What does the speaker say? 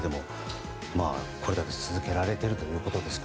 これだけ続けられているということで。